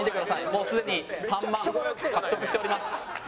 もうすでに３万獲得しております。